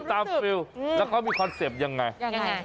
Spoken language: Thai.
ฟิลล์แล้วเขามีคอนเซ็ปต์ยังไงยังไง